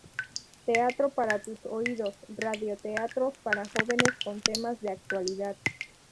Teatro para tus oído, radioteatros para jóvenes con temas de actualidad.